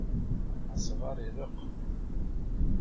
Asɣar ireqq.